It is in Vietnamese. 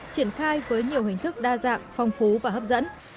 triển khai với nhiều hình thức đa dạng phong phú và hấp dẫn